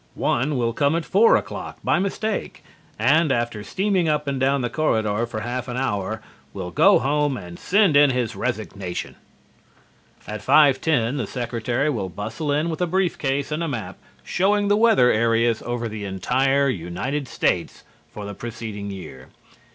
One will come at four o'clock by mistake and, after steaming up and down the corridor for half an hour, will go home and send in his resignation. At 5:10 the Secretary will bustle in with a briefcase and a map showing the weather areas over the entire United States for the preceding year.